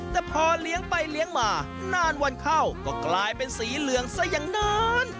แต่พอเลี้ยงไปเลี้ยงมานานวันเข้าก็กลายเป็นสีเหลืองซะอย่างนั้น